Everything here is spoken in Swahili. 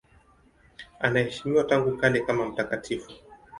Anaheshimiwa tangu kale kama mtakatifu.